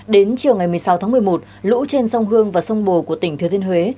đến chiều ngày một mươi sáu tháng một mươi một lũ trên sông hương và sông bồ của tỉnh thừa thiên huế